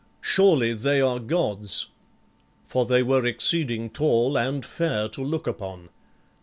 Surely they are gods;" for they were exceeding tall and fair to look upon.